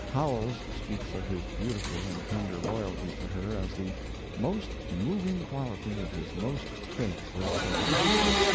Howells speaks of his beautiful and tender loyalty to her as the "most moving quality of his most faithful soul."